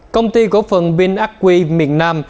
công ty cổ phần binaqui miền nam